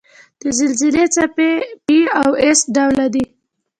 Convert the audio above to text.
د زلزلې څپې P او S ډوله دي.